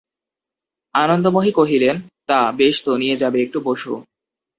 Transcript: আনন্দময়ী কহিলেন, তা, বেশ তো, নিয়ে যাবে, একটু বোসো।